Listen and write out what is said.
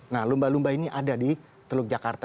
nah lumba lumba ini ada di teluk jakarta